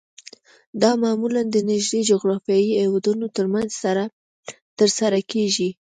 دا معمولاً د نږدې جغرافیایي هیوادونو ترمنځ ترسره کیږي